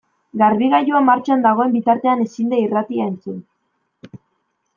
Garbigailua martxan dagoen bitartean ezin da irratia entzun.